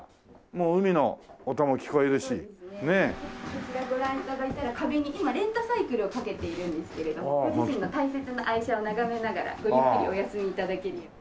こちらご覧頂いたら壁に今レンタサイクルをかけているんですけれどもご自身の大切な愛車を眺めながらごゆっくりお休み頂けるように。